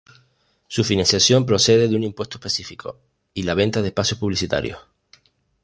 Su financiación procede de un impuesto específico y la venta de espacios publicitarios.